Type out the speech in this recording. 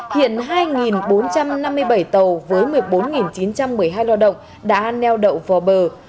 hiện hai bốn trăm năm mươi bảy tàu với một mươi bốn chín trăm một mươi hai lao động đã neo đậu vào bờ